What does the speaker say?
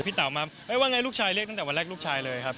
เต๋ามาว่าไงลูกชายเรียกตั้งแต่วันแรกลูกชายเลยครับ